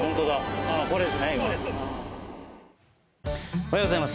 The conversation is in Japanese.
おはようございます。